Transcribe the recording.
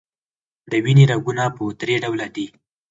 د وینې رګونه په دری ډوله دي.